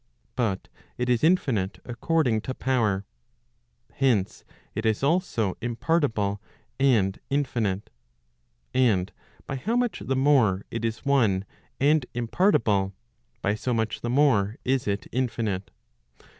But it is infinite according to power. Hence, it is also im¬ partible and infinite. And by how much the more it is one and impart¬ ible, by so much the more is it infinite.